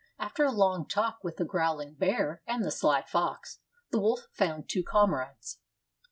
After a long talk with the growling bear and the sly fox, the wolf found two comrades.